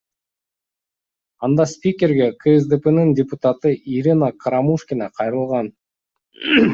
Анда спикерге КСДПнын депутаты Ирина Карамушкина кайрылган.